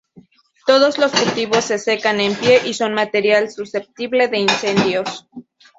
Todos los cultivos se secan en pie y son material susceptible de incendios.